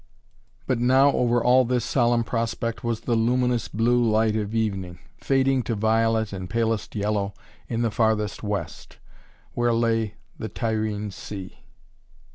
But now over all this solemn prospect was the luminous blue light of evening, fading to violet and palest yellow in the farthest west, where lay the Tyrrhene Sea.